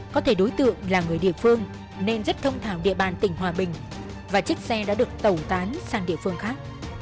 có thể đối tượng là người địa phương nên rất thông thảo địa bàn tỉnh hòa bình và chiếc xe đã được tẩu tán sang địa phương khác